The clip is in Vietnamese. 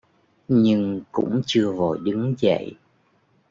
Nhưng cũng chưa vội đứng dậy